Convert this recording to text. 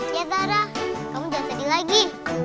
ya sarah kamu jangan sedih lagi